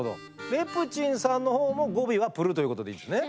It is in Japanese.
レプチンさんのほうも語尾は「プル」ということでいいですね？